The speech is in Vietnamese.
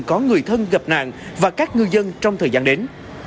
có người thân gặp nạn và các ngư dân trong thời gian đến